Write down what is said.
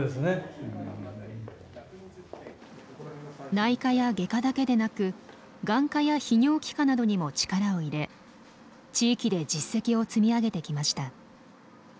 内科や外科だけでなく眼科や泌尿器科などにも力を入れ地域で実績を積み上げてきました。